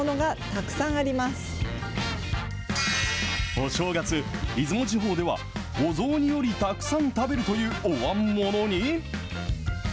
お正月、出雲地方ではお雑煮よりたくさん食べるというおわん物に。